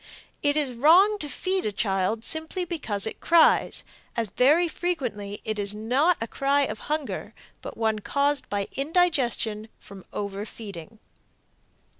It is wrong to feed a child simply because it cries, as very frequently it is not a cry of hunger, but one caused by indigestion from overfeeding.